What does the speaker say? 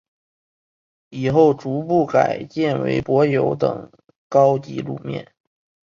以后逐步改建为柏油等高级路面。